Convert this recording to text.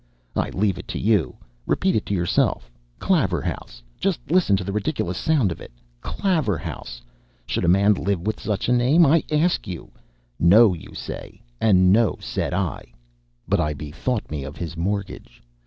I leave it to you. Repeat it to yourself—Claverhouse. Just listen to the ridiculous sound of it—Claverhouse! Should a man live with such a name? I ask of you. "No," you say. And "No" said I. But I bethought me of his mortgage.